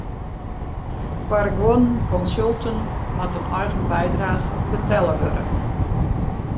Foar guon konsulten moat in eigen bydrage betelle wurde.